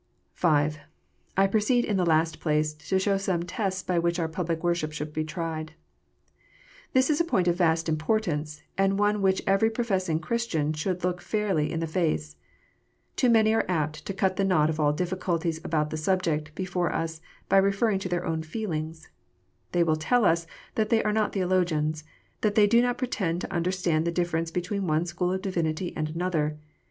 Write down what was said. V. I proceed, in the last place, to show some tests l)ij which OUT public worship should be tried. This is a point of vast importance, and one which every professing Christian should look fairly in the face. Too many are apt to cut the knot of all difficulties about the subject before us, by referring to their own feelings. They will tell us that they are not theologians, that they do not pretend to understand the difference between one school of divinity and another.